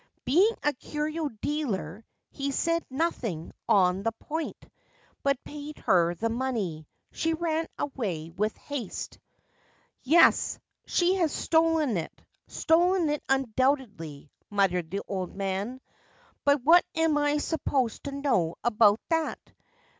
Being a curio dealer, he said nothing on that point, but paid her the money. She ran away with haste. ' Yes : she has stolen it — stolen it, undoubtedly,' muttered the old man. ( But what am I supposed to know about that